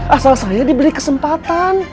asal saya dibeli kesempatan